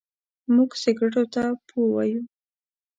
موږ سګرېټو ته پو وايو.